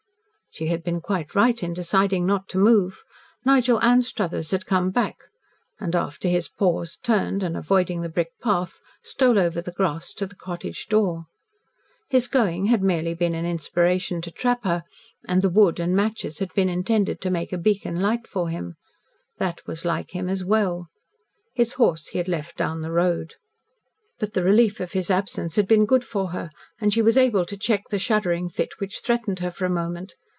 She had been quite right in deciding not to move. Nigel Anstruthers had come back, and after his pause turned, and avoiding the brick path, stole over the grass to the cottage door. His going had merely been an inspiration to trap her, and the wood and matches had been intended to make a beacon light for him. That was like him, as well. His horse he had left down the road. But the relief of his absence had been good for her, and she was able to check the shuddering fit which threatened her for a moment.